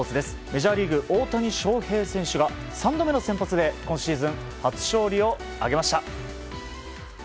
メジャーリーグ大谷翔平選手が３度目の先発で今シーズン初勝利を挙げました。